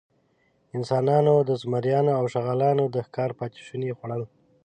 انسانانو د زمریانو او شغالانو د ښکار پاتېشوني خوړل.